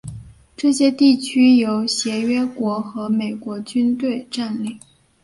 这些地区由协约国和美国军队占领。